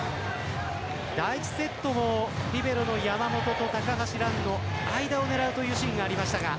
第１セットもリベロの山本と高橋藍の間を狙うシーンがありました。